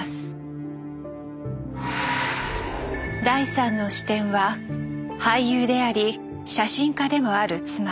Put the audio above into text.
第３の視点は俳優であり写真家でもある妻